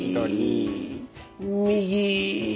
右。